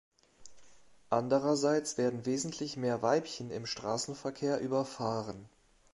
Andererseits werden wesentlich mehr Weibchen im Straßenverkehr überfahren.